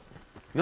何？